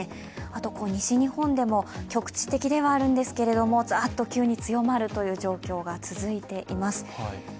あと西日本でも、局地的ではあるんですけれどもざーっと急に強まるという状況が続いています